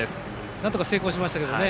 なんとか成功しましたが。